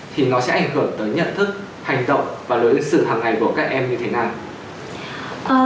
thì nó sẽ ảnh hưởng tới nhận thức hành động và lối xử hằng ngày của các em như thế nào